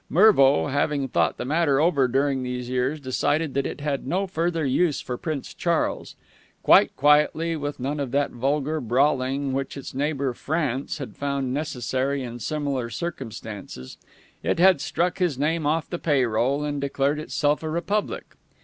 Mervo, having thought the matter over during these years, decided that it had no further use for Prince Charles. Quite quietly, with none of that vulgar brawling which its neighbor, France, had found necessary in similar circumstances, it had struck his name off the pay roll, and declared itself a republic.